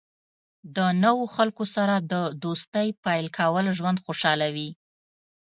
د نوو خلکو سره د دوستۍ پیل کول ژوند خوشحالوي.